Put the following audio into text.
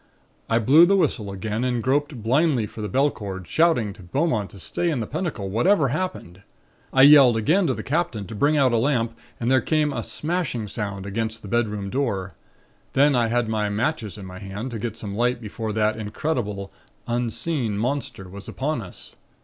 I blew the whistle again and groped blindly for the bell cord, shouting to Beaumont to stay in the Pentacle, whatever happened. I yelled again to the Captain to bring out a lamp and there came a smashing sound against the bedroom door. Then I had my matches in my hand, to get some light before that incredible, unseen Monster was upon us.